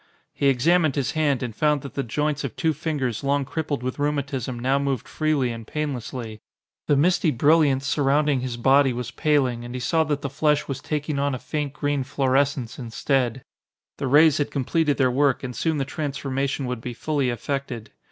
He examined his hand, and found that the joints of two fingers long crippled with rheumatism now moved freely and painlessly. The misty brilliance surrounding his body was paling and he saw that the flesh was taking on a faint green fluorescence instead. The rays had completed their work and soon the transformation would be fully effected.